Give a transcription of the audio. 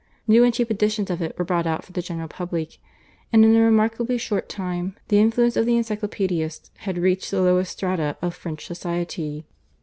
New and cheap editions of it were brought out for the general public, and in a remarkably short time the influence of the Encyclopaedists had reached the lowest strata of French society.